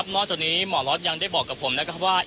คุณทัศนาควดทองเลยค่ะ